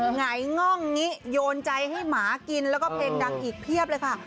หงายง่องงิโยนใจให้หมากินแล้วก็เพลงดังอีกเพียบเลยค่ะ